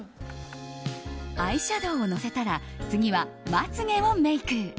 アイシャドーをのせたら次はまつ毛をメイク。